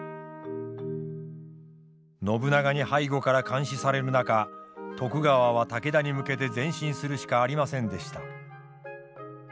信長に背後から監視される中徳川は武田に向けて前進するしかありませんでした。